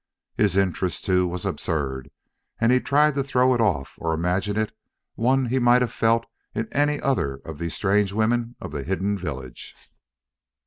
His interest, too, was absurd, and he tried to throw it off, or imagine it one he might have felt in any other of these strange women of the hidden village.